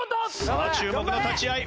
さあ注目の立ち合い。